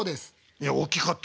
いやおっきかった。